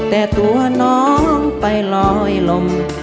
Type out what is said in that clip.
แต่ตัวน้องไปลอยลม